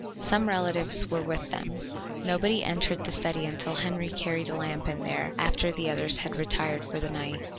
Some relatives were with them. Nobody entered the study until Henry carried a lamp in there after the others had retired for the night.